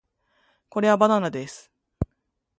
これはバナナです